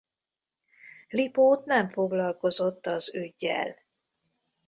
Lipót nem foglalkozott az üggyel.